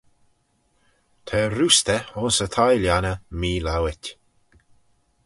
Ta roostey ayns y thie lhionney meelowit.